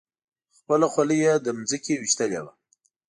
خپله خولۍ یې له ځمکې ویشتلې وه.